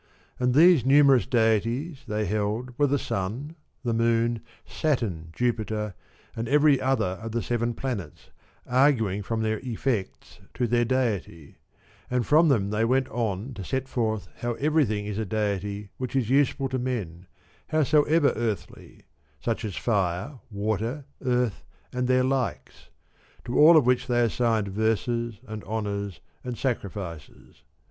And these numerous deities, they held, were the Sun, the Moon, Saturn, Jupiter, and every other of the seven planets, arguing from their effects to their deity ; and from them they went on to set forth how everything is a deity which is useful to men, howsoever earthly, such as fire, water, earth and their likes; to all of which they assigned verses and honours and sacrifices.